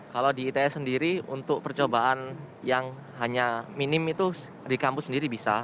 kalau di its sendiri untuk percobaan yang hanya minim itu di kampus sendiri bisa